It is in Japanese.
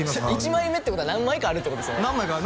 １枚目ってことは何枚かあるってことですよね？